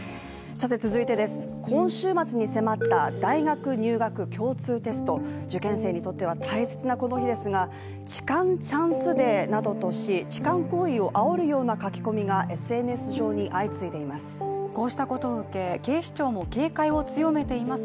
今週末に迫った大学入学共通テスト、受験生にとっては大切なこの日ですが痴漢チャンスデーなどとし痴漢行為をあおるような書き込みがＳＮＳ上に相次いでいます。